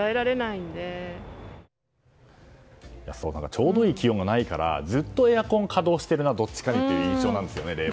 ちょうどいい気温がないからずっとエアコン稼働してるなという印象なんですよね。